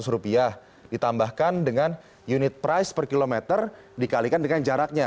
rp satu lima ratus ditambahkan dengan unit price per kilometer dikalikan dengan jaraknya